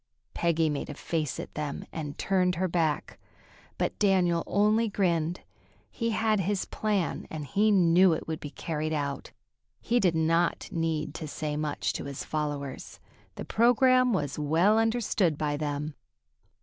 Peggy made a face at them and turned her back, but Daniel only grinned. He had his plan, and he knew it would be carried out. He did not need to say much to his followers. The program was well understood by them.